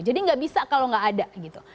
jadi nggak bisa kalau nggak ada gitu